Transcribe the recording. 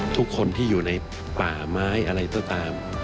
ทุกคนที่อยู่ในป่าไม้อะไรก็ตาม